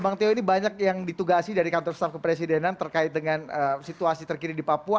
bang teo ini banyak yang ditugasi dari kantor staf kepresidenan terkait dengan situasi terkini di papua